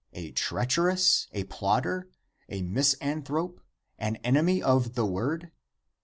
a treacherous? a plotter? a misanthrope? an enemy of the word?